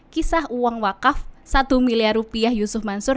kisah uang wakaf satu miliar rupiah yusuf mansur